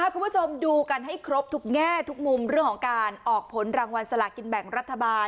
คุณผู้ชมดูกันให้ครบทุกแง่ทุกมุมเรื่องของการออกผลรางวัลสลากินแบ่งรัฐบาล